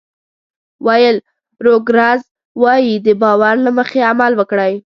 ویل روګرز وایي د باور له مخې عمل وکړئ.